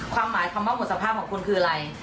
คำว่าหมดสภาพของคนคืออะไร